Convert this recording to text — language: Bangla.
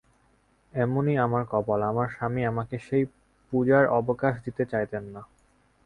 এমনি আমার কপাল, আমার স্বামী আমাকে সেই পূজার অবকাশ দিতে চাইতেন না।